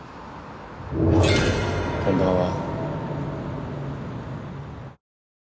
こんばんは。